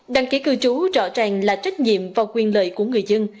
đăng ký cư trú rõ ràng là trách nhiệm và quyền lợi của người dân